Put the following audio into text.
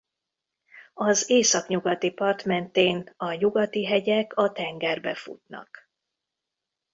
Az északnyugati part mentén a nyugati hegyek a tengerbe futnak.